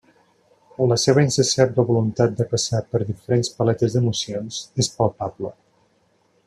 La seva insaciable voluntat de passar per diferents paletes d'emocions és palpable.